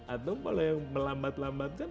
atau kalau yang melambat lambat kan nggak bisa